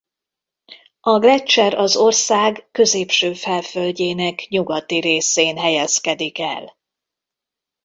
A gleccser az ország középső felföldjének nyugati részén helyezkedik el.